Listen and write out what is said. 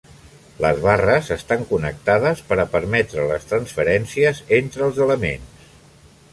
Les barres estan connectades per a permetre les transferències entre els elements.